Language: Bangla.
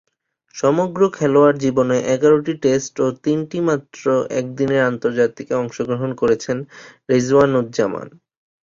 সমগ্র খেলোয়াড়ী জীবনে এগারোটি টেস্ট ও তিনটিমাত্র একদিনের আন্তর্জাতিকে অংশগ্রহণ করেছেন রিজওয়ান-উজ-জামান।